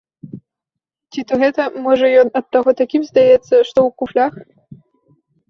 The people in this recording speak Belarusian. Ці то гэта, можа, ён ад таго такім здаецца, што ў куфлях?!.